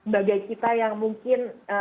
bagai kita yang mungkin